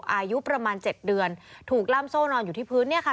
อายุประมาณ๗เดือนถูกล่ำโซ่นอนอยู่ที่พื้นเนี่ยค่ะ